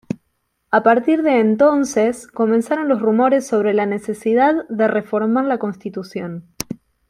A partir de entonces, comenzaron los rumores sobre la necesidad de reformar la Constitución.